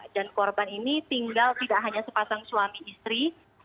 dan korban ini tinggal tidak hanya sepasang suami istri